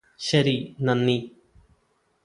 ശരി നന്ദി